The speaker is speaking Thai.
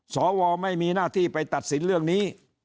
สวไม่มีหน้าที่ไปตัดสินเรื่องนี้